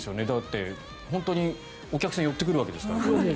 だって本当にお客さんが寄ってくるわけだから。